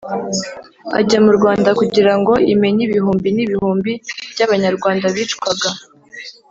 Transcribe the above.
ajya mu rwanda kugira ngo imenye ibihumbi n'ibihumbi by'abanyarwanda bicwaga